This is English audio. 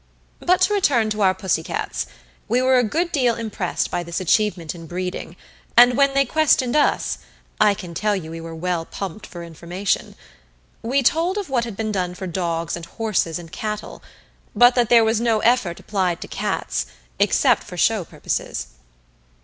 But to return to our pussycats. We were a good deal impressed by this achievement in breeding, and when they questioned us I can tell you we were well pumped for information we told of what had been done for dogs and horses and cattle, but that there was no effort applied to cats, except for show purposes.